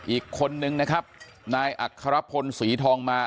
อีกคนนึงนะครับนายอัครพลศรีทองมา